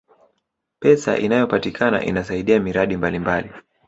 pesa inayopatikana inasaidia miradi mbalimbali